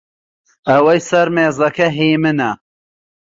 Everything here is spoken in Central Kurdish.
ئەوەی سەر مێزەکە هی منە.